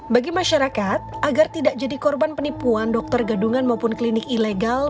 bagi masyarakat agar tidak jadi korban penipuan dokter gadungan maupun klinik ilegal